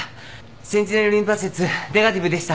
センチネルリンパ節ネガティブでした。